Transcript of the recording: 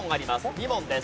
２問です。